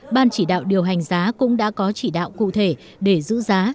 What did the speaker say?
ban chỉ đạo điều hành giá cũng đã có chỉ đạo cụ thể để giữ giá